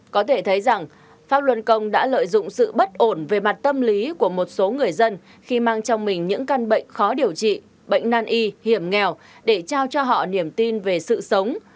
có thể thấy rằng pháp luân công đã lợi dụng sự bất ổn về mặt tâm lý của một số người dân khi mang trong mình những căn bệnh khó điều trị bệnh nan y hiểm nghèo để trao cho họ niềm tin về sự sống